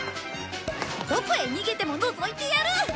どこへ逃げてものぞいてやる！